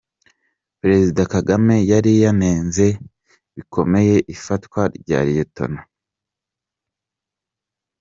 Perezida Kagame yari yanenze bikomeye ifatwa rya Lt.